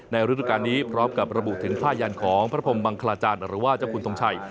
ฤดูการนี้พร้อมกับระบุถึงผ้ายันของพระพรมมังคลาจารย์หรือว่าเจ้าคุณทงชัย